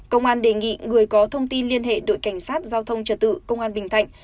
công an đề nghị người có thông tin liên hệ đội cảnh sát giao thông trở tự công an bình thạnh